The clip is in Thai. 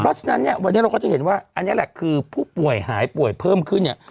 เพราะฉะนั้นเนี่ยวันนี้เราก็จะเห็นว่าอันนี้แหละคือผู้ป่วยหายป่วยเพิ่มขึ้นเนี่ย